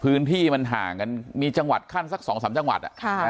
พื้นที่มันห่างกันมีจังหวัดขั้นสัก๒๓จังหวัด